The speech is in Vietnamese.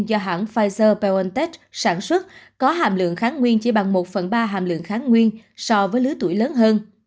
do hãng pfizer biontech sản xuất có hàm lượng kháng nguyên chỉ bằng một phần ba hàm lượng kháng nguyên so với lứa tuổi lớn hơn